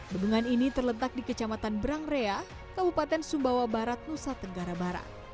bendungan ini terletak di kecamatan brangrea kabupaten sumbawa barat nusa tenggara barat